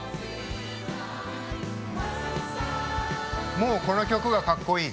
もうこの曲がかっこいい。